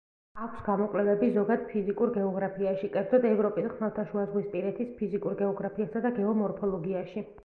აქვს გამოკვლევები ზოგად ფიზიკურ გეოგრაფიაში, კერძოდ ევროპის, ხმელთაშუაზღვისპირეთის ფიზიკურ გეოგრაფიასა და გეომორფოლოგიაში.